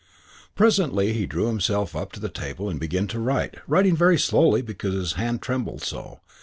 Presently he drew himself up to the table and began to write, writing very slowly because his hand trembled so.